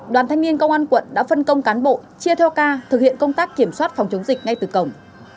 đoàn thanh niên công an quận đã phân công cán bộ chia theo ca thực hiện công tác kiểm soát phòng chống dịch ngay từ cổng